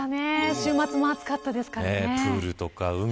週末も暑かったですからね。